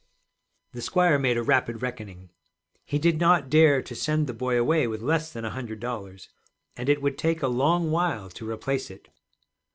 The squire made a rapid reckoning. He did not dare to send the boy away with less than a hundred dollars, and it would take a long while to replace it.